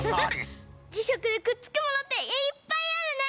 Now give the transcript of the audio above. じしゃくでくっつくものっていっぱいあるね！